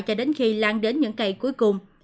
cho đến khi lan đến những cây cuối cùng